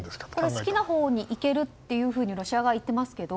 好きなほうに行けるとロシア側は言っていますけど。